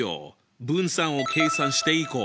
分散を計算していこう！